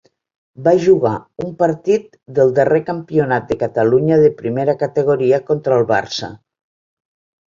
Va jugar un partit del darrer Campionat de Catalunya de Primera categoria contra el Barça.